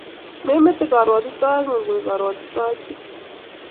memete karwatutaet ngumg koek karwatutaet kityo